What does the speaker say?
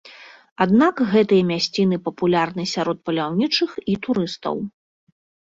Аднак гэтыя мясціны папулярны сярод паляўнічых і турыстаў.